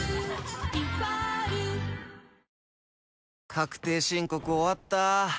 確定申告終わった。